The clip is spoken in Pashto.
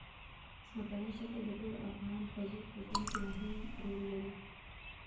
ځمکنی شکل د ټولو افغان ښځو په ژوند کې هم رول لري.